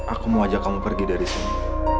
aku mau ajak kamu pergi dari sini